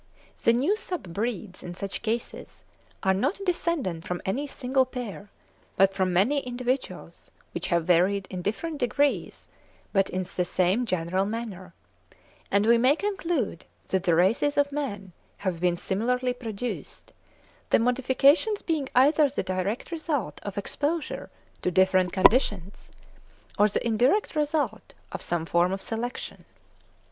The new sub breeds in such cases are not descended from any single pair, but from many individuals which have varied in different degrees, but in the same general manner; and we may conclude that the races of man have been similarly produced, the modifications being either the direct result of exposure to different conditions, or the indirect result of some form of selection.